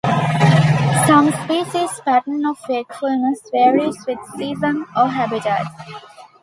Some species' pattern of wakefulness varies with season or habitat.